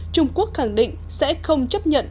trung quốc khẳng định sẽ không chấp nhận